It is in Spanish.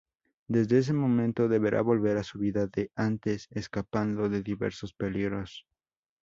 Desde ese momento, deberá volver a su vida de antes escapando de diversos peligros.